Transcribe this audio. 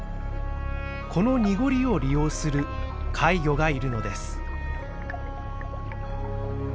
この濁りを利用する怪魚がいるのです。